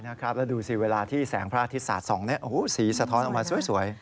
แล้วดูสิเวลาที่แสงพระอาทิตศาสตร์๒เนี่ยโอ้โหสีสะท้อนออกมาสวย